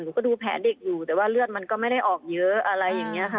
ก็ดูแผลเด็กอยู่แต่ว่าเลือดมันก็ไม่ได้ออกเยอะอะไรอย่างนี้ค่ะ